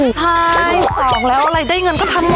ใช่สองแล้วอะไรได้เงินก็ทำหมด